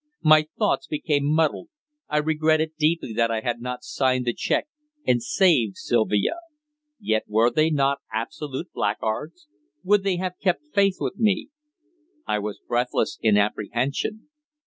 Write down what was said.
My thoughts became muddled. I regretted deeply that I had not signed the cheque and saved Sylvia. Yet were they not absolute blackguards? Would they have kept faith with me? I was breathless in apprehension.